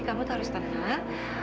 kamu tuh harus tenang